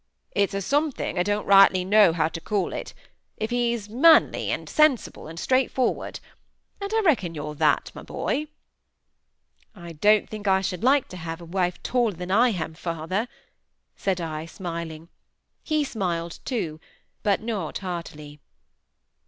"It's a something I don't rightly know how to call it—if he's manly, and sensible, and straightforward; and I reckon you're that, my boy." "I don't think I should like to have a wife taller than I am, father," said I, smiling; he smiled too, but not heartily.